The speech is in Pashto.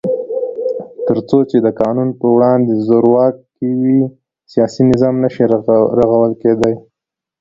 تر څو چې د قانون په وړاندې زورواکي وي، سیاسي نظام نشي رغول کېدای.